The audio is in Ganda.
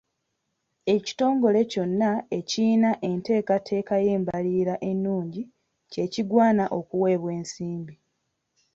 Ekitongole kyonna ekiyina enteekateeka y'embalirira ennungi kye kigwana okuweebwa ensimbi.